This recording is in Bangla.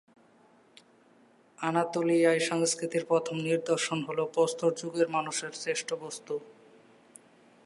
আনাতোলিয়ায় সংস্কৃতির প্রথম নিদর্শন হল প্রস্তর যুগের মানুষের সৃষ্ট বস্তু।